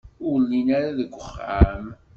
Ur llin ara deg uxxam.